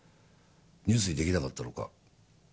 ニュースにできなかったのか。